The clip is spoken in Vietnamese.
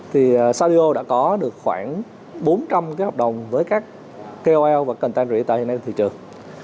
thì saudio đã có được khoảng bốn trăm linh cái hợp đồng với các kol và containery tại hiện nay thị trường